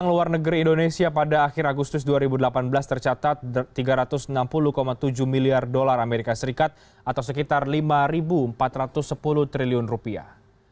luar negeri indonesia pada akhir agustus dua ribu delapan belas tercatat tiga ratus enam puluh tujuh miliar dolar amerika serikat atau sekitar lima empat ratus sepuluh triliun rupiah